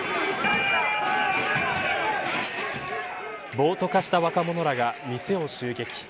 暴徒化した若者らが店を襲撃。